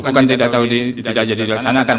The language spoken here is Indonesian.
bukan tidak tahu tidak jadi dilaksanakan